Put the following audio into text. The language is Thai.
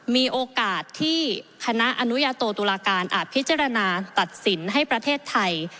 มีโอกาสที่คณะอนุญาโตตุลาการอาจพิจารณาตัดสินให้ประเทศไทย